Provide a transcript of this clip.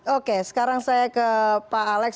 oke sekarang saya ke pak alex